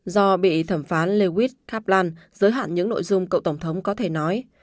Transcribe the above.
do bị thẩm phán lewis kaplan giới hạn những nội dung cậu tổng thống có thể nói